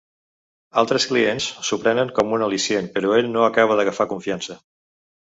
Altres clients s'ho prenen com un al·licient, però ell no acaba d'agafar confiança.